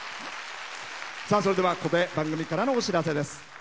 それでは、ここで番組からのお知らせです。